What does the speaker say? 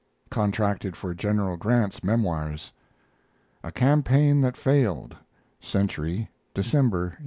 Contracted for General Grant's Memoirs. A CAMPAIGN THAT FAILED Century, December.